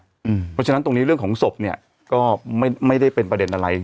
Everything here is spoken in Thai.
เพราะฉะนั้นตรงนี้เรื่องของศพเนี่ยก็ไม่ได้เป็นประเด็นอะไร